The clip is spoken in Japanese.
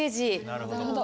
なるほど。